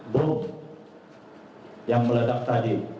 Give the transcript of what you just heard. group yang meledak tadi